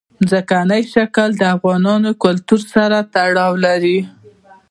ځمکنی شکل د افغان کلتور سره تړاو لري.